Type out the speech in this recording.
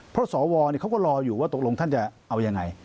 เพราะสวเขาก็รออยู่ว่าตกลงท่านจะเอายังไง